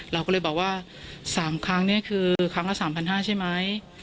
เราก็เลยบอกว่า๓ครั้งนี่คือครั้งละ๓๕๐๐ใช่ไหม